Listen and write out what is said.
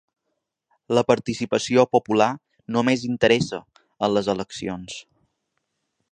La participació popular només interessa en les eleccions.